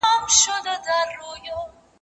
کېدای سي جواب ستونزي ولري،